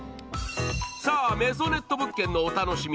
メゾネット物件のお楽しみ